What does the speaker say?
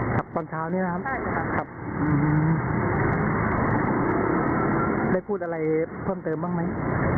ตอนเช้านี้นะครับได้พูดอะไรเพิ่มเติมบ้างไหม